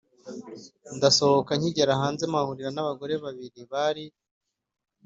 ndasohoka. Nkigera hanze mpahurira n’abagore babiri bari